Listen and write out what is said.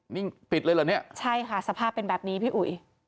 นี่ปิดเลยเหรอเนี่ยใช่ค่ะสภาพเป็นแบบนี้พี่อุ๋ย